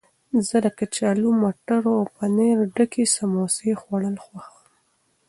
زه د کچالو، مټرو او پنیر ډکې سموسې خوړل خوښوم.